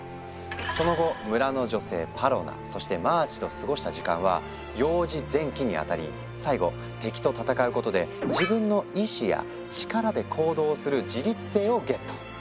その後村の女性パロナそしてマーチと過ごした時間は「幼児前期」に当たり最後敵と戦うことで自分の意志や力で行動する「自律性」をゲット！